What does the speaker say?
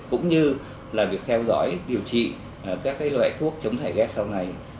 cũng như là việc theo dõi điều trị các loại thuốc chống thải ghép sau này